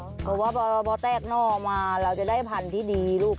เพราะว่าพอแตกหน่อมาเราจะได้พันธุ์ที่ดีลูก